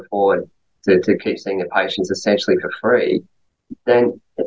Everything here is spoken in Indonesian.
karena mereka tidak dapat mencari dokter yang bebas